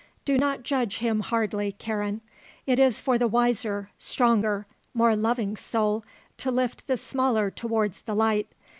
Do not judge him hardly, Karen; it is for the wiser, stronger, more loving soul to lift the smaller towards the light.